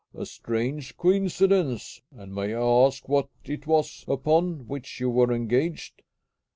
"A strange coincidence. And may I ask what it was upon which you were engaged?"